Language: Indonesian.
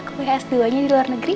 kelihatan semuanya di luar negeri